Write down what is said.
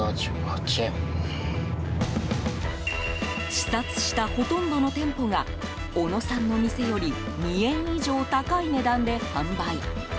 視察したほとんどの店舗が小野さんの店より２円以上高い値段で販売。